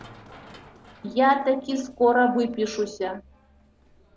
Я такі скора выпішуся.